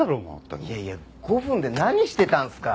いやいや５分で何してたんすか？